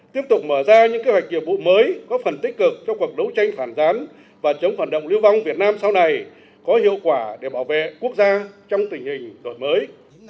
tiếp tục mở ra những kế hoạch nhiệm vụ mới có phần tích cực trong cuộc đấu tranh phản gián và chống phản động lưu vong việt nam sau này có hiệu quả để bảo vệ quốc gia trong tình hình tội mới